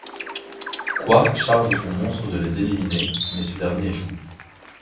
Qwark charge son monstre de les éliminer mais ce dernier échoue.